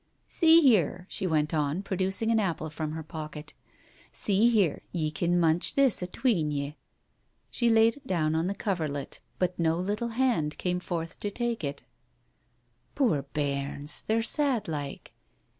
"See here," she went on, producing an apple from her pocket. "See here, ye can munch this atween ye." She laid it down on the coverlet, but no little hand came forth to take it. " Poor bairns, they're sad like.